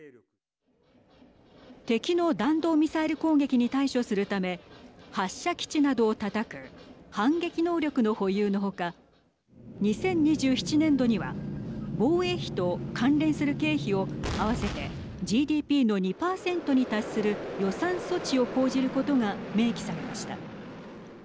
敵の弾道ミサイル攻撃に対処するため発射基地などをたたく反撃能力の保有の他２０２７年度には防衛費と関連する経費を合わせてＧＤＰの２％に達する予算措置を講じることが明記されました。